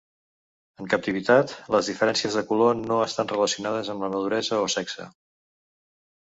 En captivitat, les diferències de color no estan relacionades amb la maduresa o sexe.